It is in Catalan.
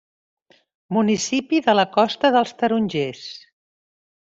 Municipi de la Costa dels Tarongers.